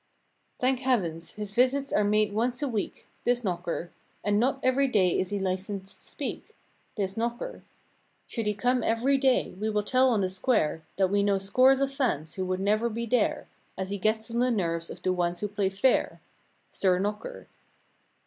Thank heavens, his visits are made once a week— This knocker, And not every day is he licensed to speak. This knocker. Should he come every day, we will tell on the square. That we know scores of fans who would never be there; As he gets on the nerves of the ones who play fair— Sir knocker.